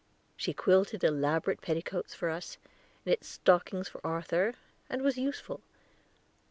She quilted elaborate petticoats for us, knit stockings for Arthur, and was useful.